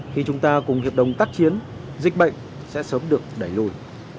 khi chúng ta cùng hiệp đồng tác chiến dịch bệnh sẽ sớm được đẩy lùi